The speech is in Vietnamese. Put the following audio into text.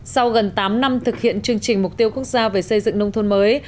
sau gần tám năm thực hiện chương trình mục tiêu quốc gia về xây dựng nông thôn mới